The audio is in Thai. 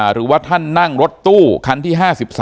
หรือว่าท่านนั่งรถตู้คันที่๕๓